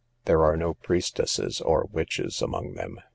There are no priestesses or witches among them.